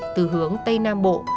từ hướng tây nam bộ